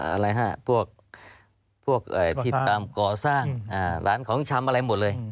อะไรฮะพวกที่ตามก่อสร้างร้านของชำอะไรหมดเลย